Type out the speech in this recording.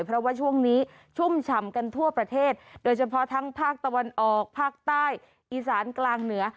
เพราะว่าช่วงนี้ชุ่มฉ่ำกันทั่วประเทศโดยเฉพาะทั้งภาคตะวันออกภาคใต้อีสานกลางเหนือ